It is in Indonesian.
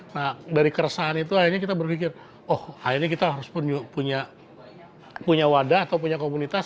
nah dari keresahan itu akhirnya kita berpikir oh akhirnya kita harus punya wadah atau punya komunitas